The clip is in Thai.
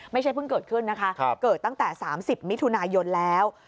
เพิ่งเกิดขึ้นนะคะเกิดตั้งแต่๓๐มิถุนายนแล้ว